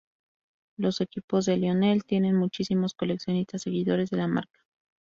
Los equipos de Lionel tienen muchísimos coleccionistas seguidores de la marca.